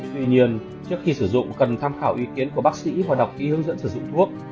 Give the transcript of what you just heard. tuy nhiên trước khi sử dụng cần tham khảo ý kiến của bác sĩ và đọc kỹ hướng dẫn sử dụng thuốc